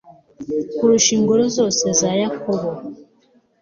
kurusha ingoro zose za yakobo